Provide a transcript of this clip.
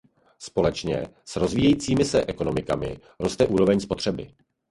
Společně s rozvíjejícími se ekonomikami roste úroveň spotřeby.